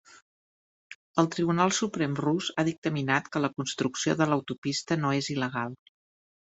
El Tribunal Suprem rus ha dictaminat que la construcció de l’autopista no és il·legal.